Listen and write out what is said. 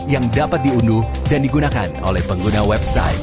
yang dapat diunduh dan digunakan oleh pengguna website